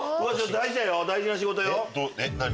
大事な仕事よ。